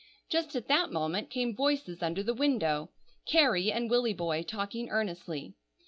Just at that moment came voices under the window,—Carrie and Willy boy, talking earnestly.